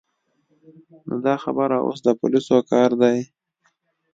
نو دا خبره اوس د پولیسو کار دی.